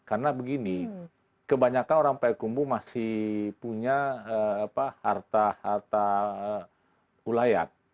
karena begini kebanyakan orang pak ekumbu masih punya harta harta ulayak